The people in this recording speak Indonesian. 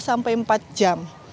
sampai empat jam